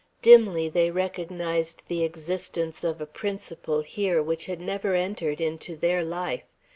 Dimly they recognized the existence of a principle here which had never entered into their life.